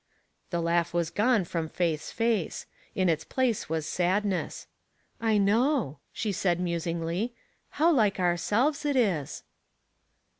The laugh was gone from Faith's face ; in its place was sadness. *' I know," she said, musingly, how like ourselves it is."